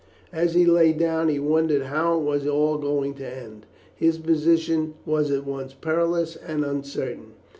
As he lay down he wondered how it was all going to end. His position was at once perilous and uncertain.